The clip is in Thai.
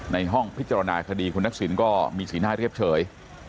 ในห้องพิจารณาคดีคุณทักษิณก็มีสีหน้าเรียบเฉย